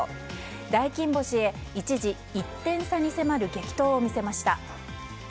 大金星へ、一時１点差に迫る激闘を見せました。